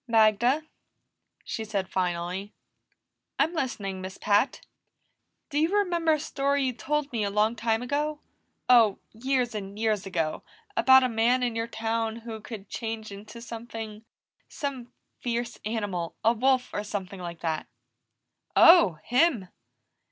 "Magda," she said finally. "I'm listening, Miss Pat." "Do you remember a story you told me a long time ago? Oh, years and years ago, about a man in your town who could change into something some fierce animal. A wolf, or something like that." "Oh, him!"